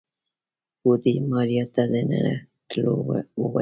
بوډۍ ماريا ته د نه تلو وويل.